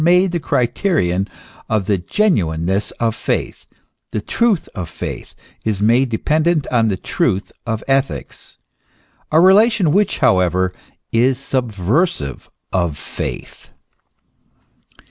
made the criterion of the genuineness of faith, the truth of faith is made dependent on the truth of ethics : a relation which however is subversive of faith.